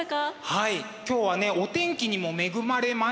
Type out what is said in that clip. はい今日はねお天気にも恵まれまして。